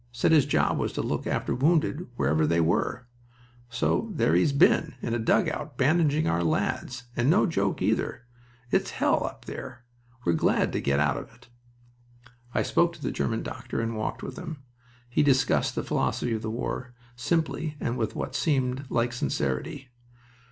Said his job was to look after wounded, whoever they were. So there he's been, in a dugout bandaging our lads; and no joke, either. It's hell up there. We're glad to get out of it." I spoke to the German doctor and walked with him. He discussed the philosophy of the war simply and with what seemed like sincerity.